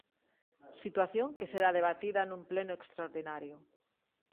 Situación que será debatida nun pleno extraordinario.